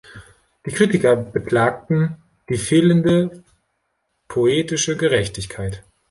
Die Kritiker beklagten die fehlende „poetische Gerechtigkeit“.